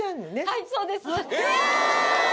はいそうです！うわ！